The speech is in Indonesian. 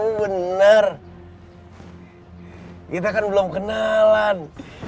oh benar kita kan belum kenalan